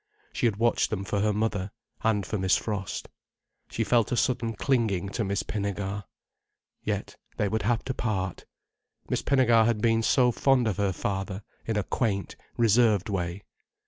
She had watched them for her mother—and for Miss Frost. She felt a sudden clinging to Miss Pinnegar. Yet they would have to part. Miss Pinnegar had been so fond of her father, in a quaint, reserved way.